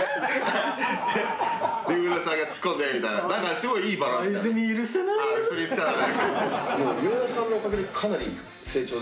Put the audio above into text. すごいいいバランスだね。